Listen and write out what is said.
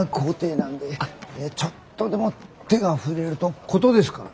ちょっとでも手が触れると事ですから。